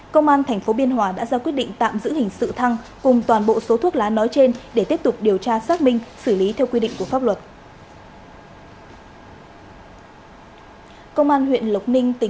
công an tp biên hòa đã ra quyết định tạm giữ hình sự thăng cùng toàn bộ số thuốc lá nói trên để tiếp tục điều tra xác minh xử lý theo quy định của pháp luật